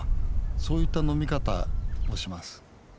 そういった飲み方をします。